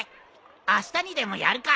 あしたにでもやるか。